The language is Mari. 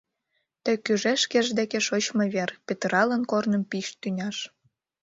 Тек ӱжеш шкеж деке шочмо вер, Петыралын корным пич тӱняш.